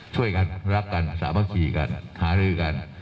ช่วยกันนี่รับกันสามารท์เฉยกันหาลือกัน